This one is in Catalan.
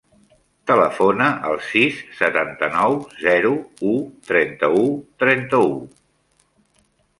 Telefona al sis, setanta-nou, zero, u, trenta-u, trenta-u.